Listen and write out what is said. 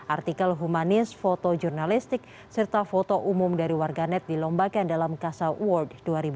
artikel humanis foto jurnalistik serta foto umum dari warganet dilombakan dalam kasa award dua ribu dua puluh